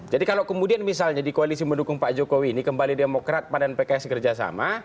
jadi kalau kemudian misalnya di koalisi mendukung pak jokowi ini kembali demokrat pan dan pks kerjasama